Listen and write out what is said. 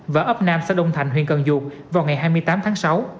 và ấp nam xã đông thành huyện cần duột vào ngày hai mươi tám tháng sáu